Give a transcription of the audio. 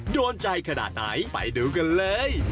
โดนใจขนาดไหนไปดูกันเลย